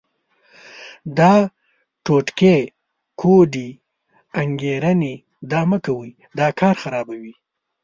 دا ټوټکې، کوډې، انګېرنې دا مه کوئ، دا کار خرابوي.